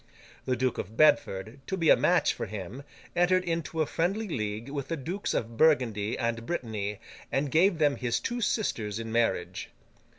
The Duke of Bedford, to be a match for him, entered into a friendly league with the Dukes of Burgundy and Brittany, and gave them his two sisters in marriage.